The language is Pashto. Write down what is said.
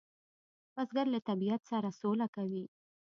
بزګر له طبیعت سره سوله کوي